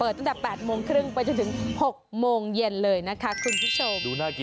ตั้งแต่๘โมงครึ่งไปจนถึง๖โมงเย็นเลยนะคะคุณผู้ชม